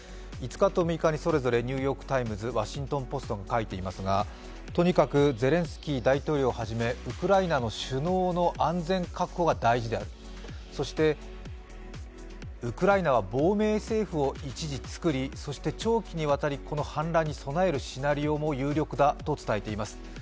５日と６日にそれぞれ「ニューヨーク・タイムズ」、「ワシントン・ポスト」が書いていますがとにかくゼレンスキー大統領をはじめウクライナの首脳の安全確保が大事である、そしてウクライナは亡命政府を一時作り、長期にわたりこの反乱に備えるシナリオも有力かとしています。